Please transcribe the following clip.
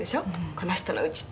“この人の家”って」